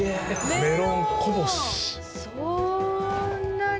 メロンこぼし。